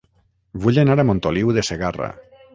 Vull anar a Montoliu de Segarra